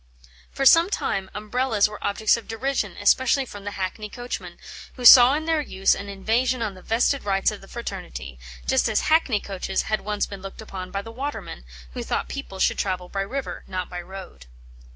For some time Umbrellas were objects of derision, especially from the hackney coachmen, who saw in their use an invasion on the vested rights of the fraternity; just as hackney coaches had once been looked upon by the watermen, who thought people should travel by river, not by road.